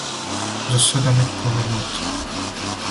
за седам и по минута